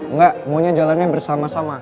enggak maunya jalannya bersama sama